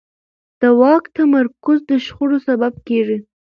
د واک تمرکز د شخړو سبب کېږي